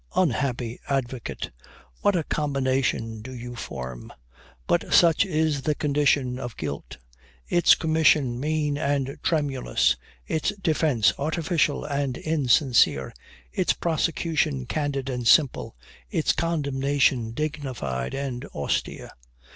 unhappy advocate! what a combination do you form! But such is the condition of guilt its commission mean and tremulous its defence artificial and insincere its prosecution candid and simple its condemnation dignified and austere.